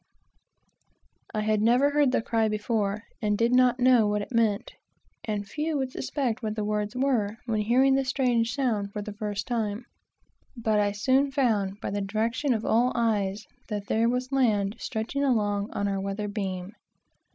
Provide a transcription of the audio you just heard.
I had never heard the cry before, and did not know what it meant, (and few would suspect what the words were, when hearing the strange sound for the first time,) but I soon found, by the direction of all eyes, that there was land stretching along our weather beam.